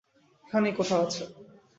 এখানেই কোথাও আছে!